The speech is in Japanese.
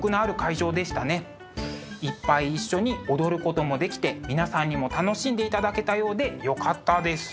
いっぱい一緒に踊ることもできて皆さんにも楽しんでいただけたようでよかったです。